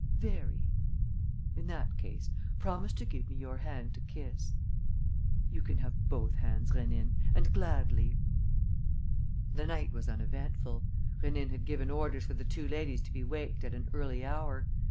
"Very." "In that case, promise to give me your hand to kiss." "You can have both hands, Rénine, and gladly." The night was uneventful. Rénine had given orders for the two ladies to be waked at an early hour.